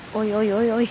おいおい